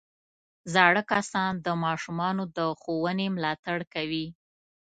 زاړه کسان د ماشومانو د ښوونې ملاتړ کوي